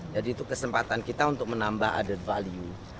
jadi itu kesempatan kita untuk menambah added value